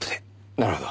なるほど。